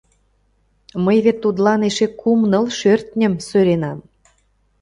Мый вет тудлан эше кум-ныл шӧртньым сӧренам».